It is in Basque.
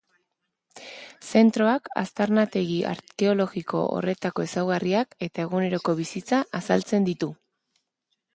Zentroak aztarnategi arkeologiko horretako ezaugarriak eta eguneroko bizitza azaltzen ditu.